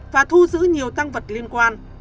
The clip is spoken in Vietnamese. và thu giữ nhiều tăng vật liên quan